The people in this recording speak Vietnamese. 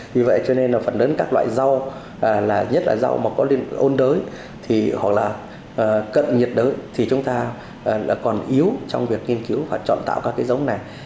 vì vậy cho nên phần lớn các loại rau nhất là rau mà có ôn đới hoặc là cận nhiệt đới thì chúng ta còn yếu trong việc nghiên cứu và chọn tạo các giống này